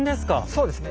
そうですね